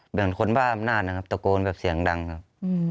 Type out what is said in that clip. เหมือนคนบ้าอำนาจนะครับตะโกนแบบเสียงดังครับ